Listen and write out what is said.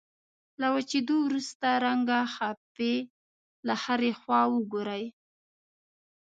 له وچېدو وروسته رنګه خپې له هرې خوا وګورئ.